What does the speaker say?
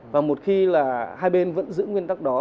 và một khi là hai bên vẫn giữ nguyên tắc đó